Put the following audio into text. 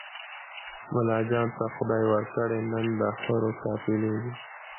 ملاجان ته خدای ورکړي نن د حورو قافلې دي